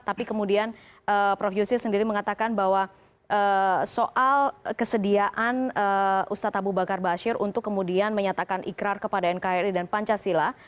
tapi kemudian prof yusril sendiri mengatakan bahwa soal kesediaan ustadz abu bakar bashir untuk kemudian menyatakan ikrar kepada nkri dan pancasila